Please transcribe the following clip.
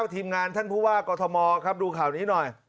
ทีมงานท่านผู้ว่ากอทมครับดูข่าวนี้หน่อย